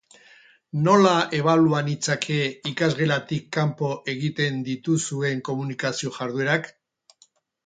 Nola ebalua nitzake ikasgelatik kanpo egiten dituzuen komunikazio jarduerak?